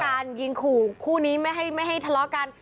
ทะเลาะกันยิงขู่คู่นี้ไม่ให้ทะเลาะกัน